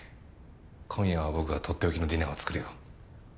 今夜は僕がとっておきのディナーを作るよ